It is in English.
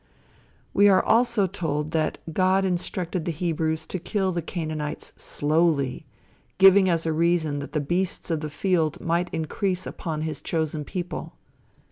We are also told that God instructed the Hebrews to kill the Canaanites slowly, giving as a reason that the beasts of the field might increase upon his chosen people.